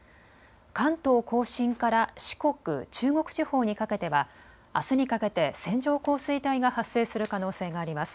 関東甲信から四国、中国地方にかけてはあすにかけて線状降水帯が発生する可能性があります。